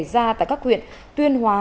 xảy ra tại các huyện tuyên hóa